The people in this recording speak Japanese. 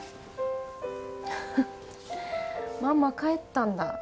ハハッママ帰ったんだ。